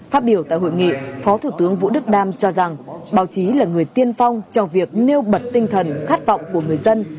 phát biểu tại hội nghị phó thủ tướng vũ đức đam cho rằng báo chí là người tiên phong trong việc nêu bật tinh thần khát vọng của người dân